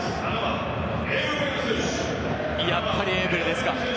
やっぱりエウベルですか。